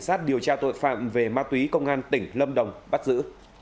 cảnh sát điều tra tội phạm về ma túy công an tỉnh lâm đồng bắt giữ